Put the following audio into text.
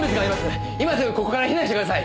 今すぐここから避難してください！